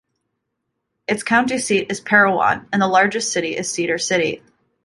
Its county seat is Parowan, and the largest city is Cedar City.